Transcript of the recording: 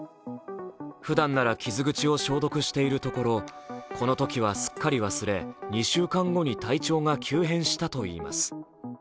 ふだんなら傷口を消毒しているところ、このときはすっかり忘れ２週間後に体調が急変したといいます。